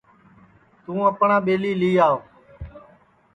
توں اپٹؔا ٻیلی لی آو